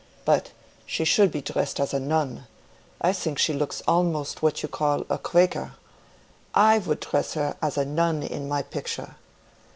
But she should be dressed as a nun; I think she looks almost what you call a Quaker; I would dress her as a nun in my picture.